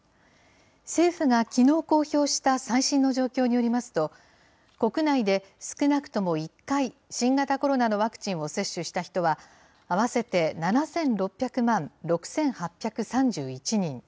政府がきのう公表した最新の状況によりますと、国内で少なくとも１回、新型コロナのワクチンを接種した人は、合わせて７６００万６８３１人。